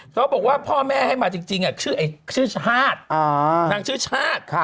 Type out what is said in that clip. เขาบอกว่าพ่อแม่ให้มาจริงชื่อชาตินางชื่อชาติ